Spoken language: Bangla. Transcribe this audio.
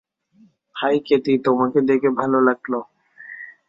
হাই ক্যাথি, তোমাকে দেখে ভালো লাগল!